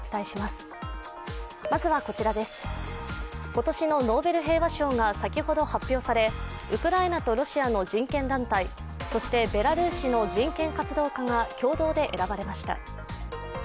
今年のノーベル平和賞が先ほど発表され、ウクライナとロシアの人権団体そしてベラルーシの人権活動家が共同で選ばれました。